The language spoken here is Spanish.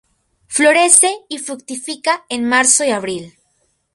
Florece y fructifica en Marzo y Abril.